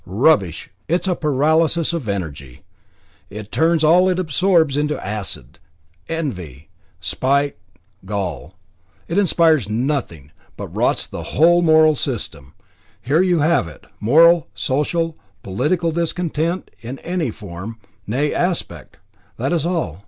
Rubbish, it is a paralysis of energy. It turns all it absorbs to acid, to envy, spite, gall. It inspires nothing, but rots the whole moral system. Here you have it moral, social, political discontent in another form, nay aspect that is all.